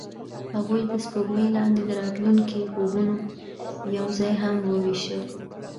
هغوی د سپوږمۍ لاندې د راتلونکي خوبونه یوځای هم وویشل.